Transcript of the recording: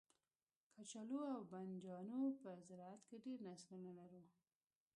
کچالو او بنجانو په زرعت کې ډیر نسلونه لرو